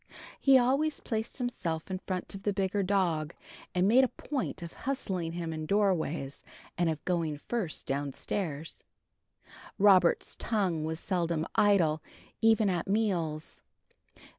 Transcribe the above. He always placed himself in front of the bigger dog, and made a point of hustling him in doorways and of going first downstairs. Robert's tongue was seldom idle, even at meals.